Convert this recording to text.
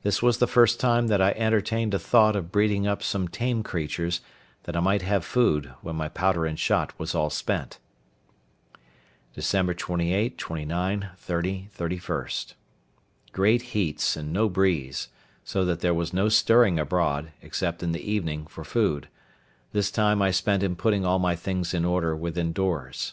This was the first time that I entertained a thought of breeding up some tame creatures, that I might have food when my powder and shot was all spent. Dec. 28, 29, 30.—Great heats and no breeze, so that there was no stirring abroad except in the evening for food; this time I spent in putting all my things in order within doors.